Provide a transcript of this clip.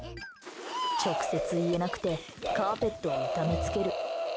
直接言えなくてカーペットを痛めつける。